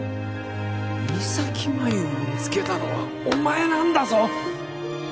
三咲麻有を見つけたのはお前なんだぞ！